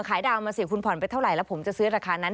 ขายดาวน์มาสิคุณผอนไปเท่าไรผมจะซื้อราคานั้น